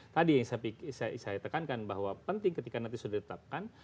tadi yang saya tekankan bahwa penting ketika nanti sudah ditetapkan